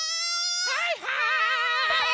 はいはい！